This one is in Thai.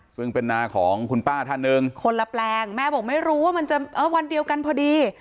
ซึ่งเป็นนาของคุณป้าท่านหนึ่งคนละแปลงแม่บอกไม่รู้ว่ามันจะวันเดียวกันพอดี